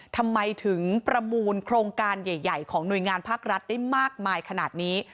ทำไมถึงประมูลโครงการใหญ่ของหน่วยงานภาครัฐได้มากมายขนาดนี้